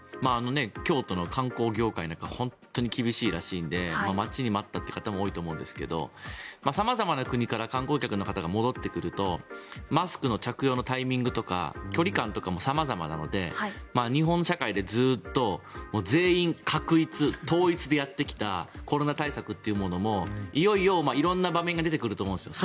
京都の観光業界なんかは本当に厳しいらしいので待ちに待ったという方も多いと思うんですけど様々な国から観光客の方が戻ってくるとマスクの着用のタイミングとか距離感とかも様々なので日本社会でずっと全員画一、統一でやってきたコロナ対策というものもいよいよ色んな場面が出てくると思うんですよ。